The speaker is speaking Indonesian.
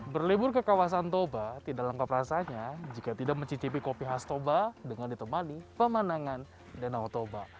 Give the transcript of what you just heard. berlibur ke kawasan toba tidak lengkap rasanya jika tidak mencicipi kopi khas toba dengan ditemani pemandangan danau toba